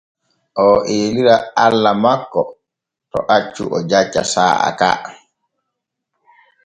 Oo eelira Allah makko to accu o jacca saa’a ka.